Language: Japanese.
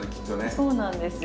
そうなんですよ。